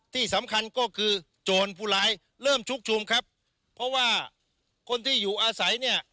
ที่สำคัญก็คือโจรผู้ร้ายเริ่มชุกชุมครับเพราะว่าคนที่อยู่อาศัยเนี่ย